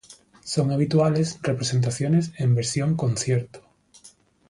Son habituales representaciones en versión concierto.